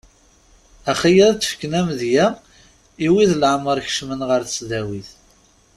Axi ad d-ffken amedya i wid leɛmer kecmen ɣer tesdawit.